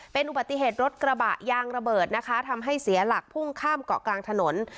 เป็นอุบัติเหตุรถกระบะยางระเบิดนะคะทำให้เสียหลักพุ่งข้ามเกาะกลางถนน